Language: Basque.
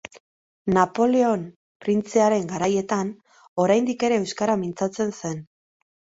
Napoleon Printzearen garaietan oraindik ere euskara mintzatzen zen.